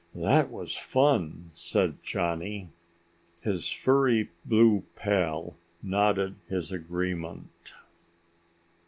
"That was fun!" said Johnny. His furry blue pal nodded his agreement.